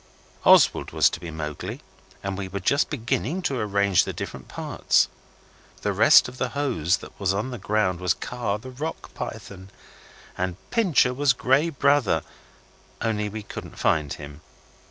Oswald was to be Mowgli, and we were just beginning to arrange the different parts. The rest of the hose that was on the ground was Kaa, the Rock Python, and Pincher was Grey Brother, only we couldn't find him.